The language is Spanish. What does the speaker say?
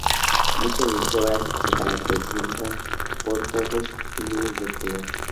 Muchas de sus obras se caracterizan por audaces juegos de luz y color.